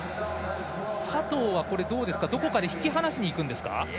佐藤はどこかで引き離しにいきますか。